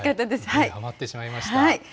はまってしまいました。